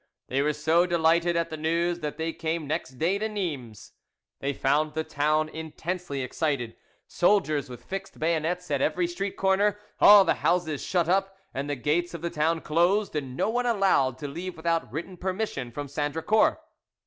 They were so delighted at the news that they came next day to Nimes. They found the town intensely excited, soldiers with fixed bayonets at every street corner, all the houses shut up, and the gates of the town closed, and no one allowed to leave without written permission from Sandricourt.